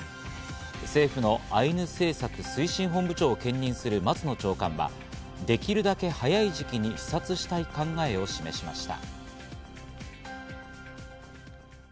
政府のアイヌ政策推進本部長を兼任する松野長官はできるだけ早い時期に視察したい考えを示しました。